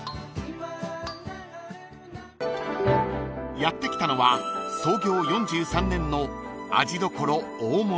［やって来たのは創業４３年の］